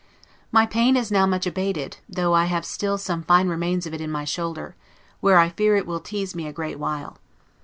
My pain is now much abated, though I have still some fine remains of it in my shoulder, where I fear it will tease me a great while.